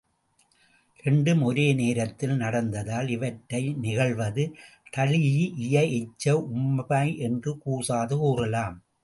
இரண்டும் ஒரே நேரத்தில் நடந்ததால் இவற்றை நிகழ்வது தழீஇய எச்ச உம்மை என்று கூசாது கூறலாம்.